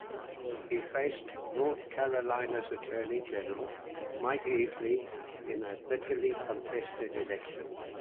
He faced North Carolina's attorney general, Mike Easley, in a bitterly contested election.